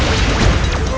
aku tidak mau